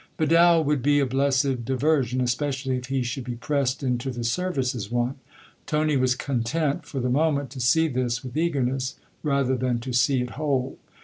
Vidal would be a blessed diversion especially if he should be pressed into the service as one : Tony was content for the moment to see this with eagerness rather than to see it whole.